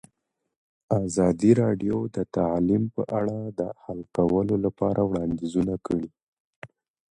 ازادي راډیو د تعلیم په اړه د حل کولو لپاره وړاندیزونه کړي.